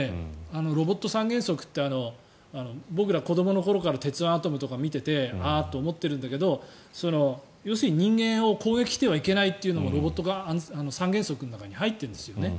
ロボット三原則って僕ら子どもの頃から「鉄腕アトム」とか見ていてあーって思っているんだけど要するに、人間を攻撃してはいけないというのがロボット三原則の中に入っているんですよね。